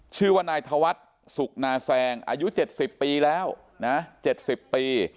ชื่อว่านายธวัฒน์สุขนาแซงอายุ๗๐ปีแล้วนะ๗๐ปี